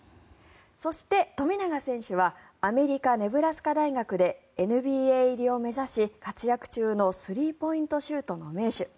そして富永選手はアメリカ・ネブラスカ大学でＮＢＡ入りを目指し活躍中のスリーポイントの名手。